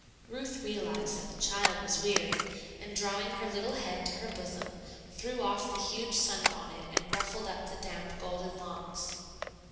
Ruth realized that the child was weary, and drawing her little head to her bosom, threw off the huge sunbonnet and ruffled up the damp, golden locks.